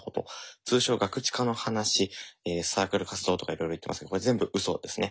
通称ガクチカの話サークル活動とかいろいろ言ってますけどこれ全部うそですね。